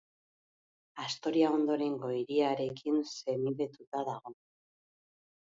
Astoria ondorengo hiriarekin senidetuta dago.